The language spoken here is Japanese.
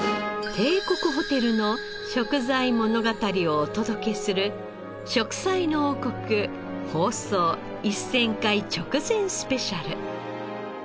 帝国ホテルの食材物語をお届けする『食彩の王国』放送１０００回直前スペシャル。